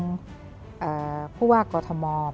ชวนให้ลง